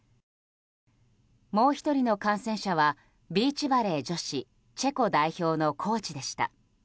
もう１人の感染者はビーチバレー女子チェコ代表のコーチでした。